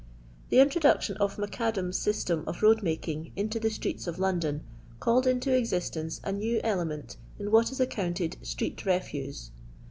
The introduction of Mac Adam's system of road making into the streets of London called into existence a new element in what is accounted street zefuse.